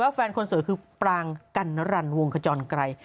แฟนคนสวยคือปรางกัณรันวงขจรไกร